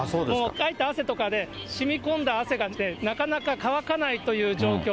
かいた汗とかでしみ込んだ汗がなかなか乾かないという状況。